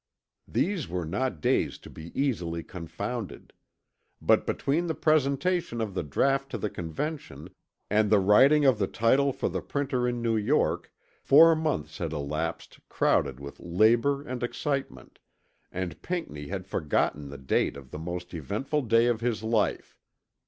These were not days to be easily confounded. But between the presentation of the draught to the Convention and the writing of the title for the printer in New York four months had elapsed crowded with labor and excitement, and Pinckney had forgotten the date of the most eventful day of his life.